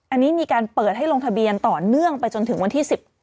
อันนี้มีการเปิดให้ลงทะเบียนต่อเนื่องไปจนถึงวันที่๑๙